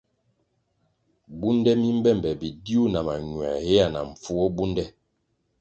Bunde mi mbe be bidiu na mañuē héa na mpfuo bunde.